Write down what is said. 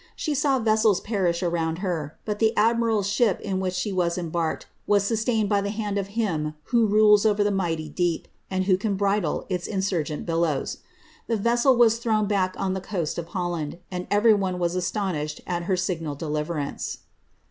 She i>aw vessels peri:sh around her, but the admirsl'i ship in which bhe was embarked, was sustained 1»y the hand of Him who rules over the mighty deep, and who can bridle its insurgent billows. The vessel was thrown back on the coast of Holland, and every one was astonished at her signal deliverance.